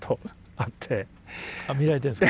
あっ見られてるんですか？